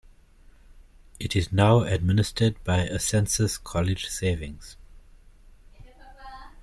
It is now administered by Ascensus College Savings.